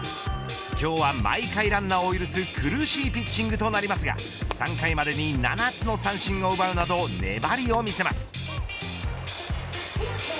今日は毎回ランナーを許す苦しいピッチングとなりますが３回までに７つの三振を奪うなど粘りを見せます。